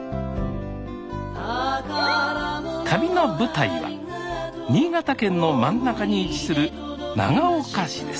旅の舞台は新潟県の真ん中に位置する長岡市です